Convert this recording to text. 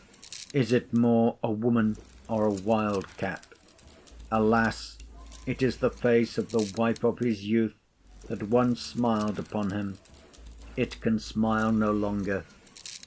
is it more a woman, or a wild cat? alas! it is the face of the wife of his youth, that once smiled upon him. It can smile no longer.